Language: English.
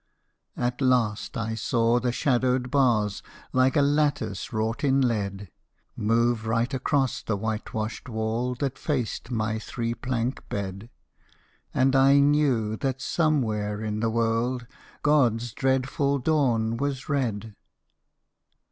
At last I saw the shadowed bars, Like a lattice wrought in lead, Move right across the whitewashed wall That faced my three plank bed, And I knew that somewhere in the world Godâs dreadful dawn was red.